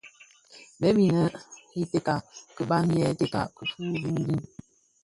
Bêp inê i tèka kibàm yêê tèka kurundùng.